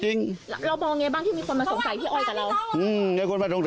ที่มีคนมาส่งไปพี่เอ้ยกับเราอืมให้คนมาทรงสเอ